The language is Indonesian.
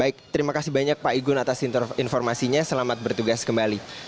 baik terima kasih banyak pak igun atas informasinya selamat bertugas kembali